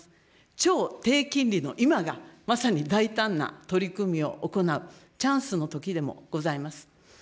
超低金利の今がまさに大胆な取り組みを行うチャンスの時でもございます。